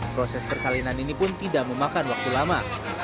proses persalinan ini pun tidak memakan waktu lama